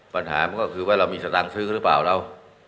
ปัญหาก็คือเรามีสมัครซื้อหรือเปล่าเรา